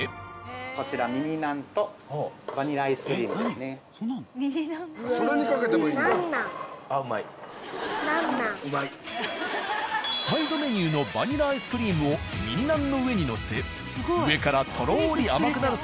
こちらサイドメニューのバニラアイスクリ―ムをミニナンの上にのせ上からとろり甘くなるソ―